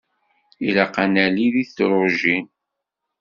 Ilaq ad nali deg tedrujin.